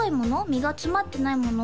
実が詰まってないもの